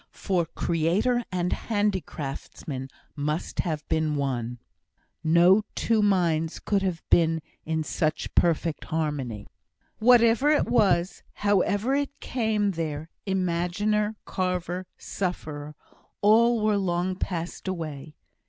for creator and handicraftsman must have been one; no two minds could have been in such perfect harmony. Whatever it was however it came there imaginer, carver, sufferer, all were long passed away.